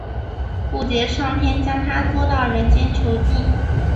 布杰上天将它捉到人间囚禁。